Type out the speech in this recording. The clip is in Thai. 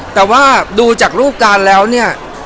แต่ว่าดูจากรูปการณ์แล้วเนี่ย